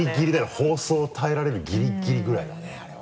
放送耐えられるギリッギリぐらいだねあれは。